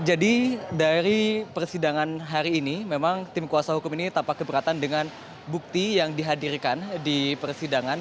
jadi dari persidangan hari ini memang tim kuasa hukum ini tampak keberatan dengan bukti yang dihadirkan di persidangan